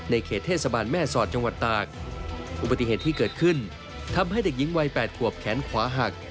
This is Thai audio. เขตเทศบาลแม่สอดจังหวัดตากอุบัติเหตุที่เกิดขึ้นทำให้เด็กหญิงวัย๘ขวบแขนขวาหัก